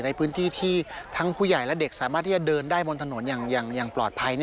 ในพื้นที่ที่ทั้งผู้ใหญ่และเด็กสามารถที่จะเดินได้บนถนนอย่างปลอดภัย